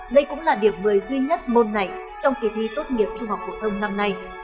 đây cũng là điểm một mươi duy nhất môn này trong kỳ thi tốt nghiệp trung học phổ thông năm nay